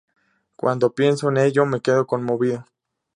Cuando pienso en ello, me quedo conmovido.